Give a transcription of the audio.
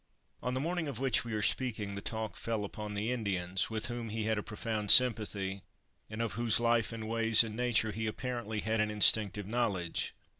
On the morning of which we are speaking the talk fell upon the Indians, with whom he had a profound sympathy, and of whose life and ways and nature he apparently had an instinctive knowledge.